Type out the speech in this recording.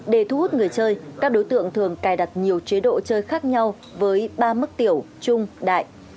để thu hút người chơi các đối tượng thường cài đặt nhiều chế độ chơi khác nhau với ba mức tiểu trung đại